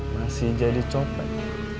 masih jadi copet